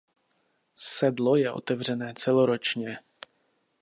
Sedlo je otevřené celoročně.